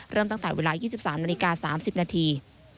ตั้งแต่เวลา๒๓นาฬิกา๓๐นาที